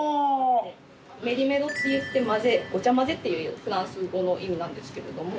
メリメロっていってごちゃ混ぜっていうフランス語の意味なんですけれども。